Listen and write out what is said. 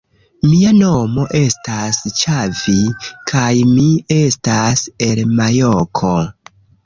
Mia nomo estas Ĉavi kaj mi estas el majoko